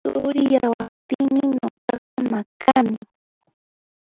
Turiyawaqtinmi nuqaqa maqani